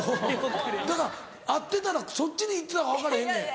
だから会ってたらそっちに行ってたか分からへんねん。